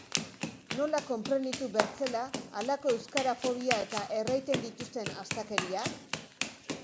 Nola konprenitu bertzela halako euskarafobia eta erraiten dituzten astakeriak?